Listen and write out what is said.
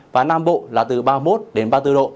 và nam bộ là từ ba mươi một đến ba mươi bốn độ